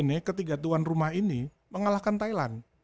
ini ketiga tuan rumah ini mengalahkan thailand